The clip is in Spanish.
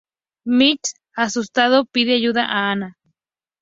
Mitch, asustado pide ayuda a Anna.